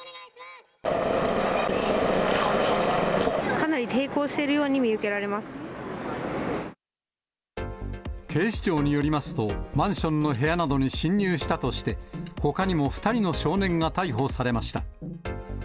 かなり抵抗しているように見警視庁によりますと、マンションの部屋などに侵入したとして、ほかにも２人の少年が逮捕されました。